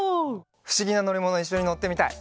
ふしぎなのりものにいっしょにのってみたい！